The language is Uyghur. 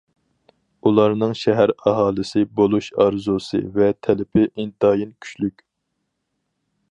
ئۇلارنىڭ شەھەر ئاھالىسى بولۇش ئارزۇسى ۋە تەلىپى ئىنتايىن كۈچلۈك.